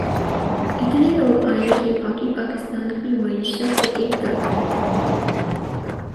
اتنے لوگ آئیں کہ باقی پاکستان کی معیشت تو ایک طرف رہی